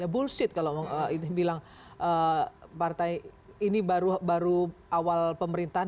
bullshit kalau bilang partai ini baru awal pemerintahan